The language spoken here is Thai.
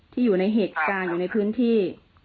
อยู่ในเหตุการณ์อยู่ในพื้นที่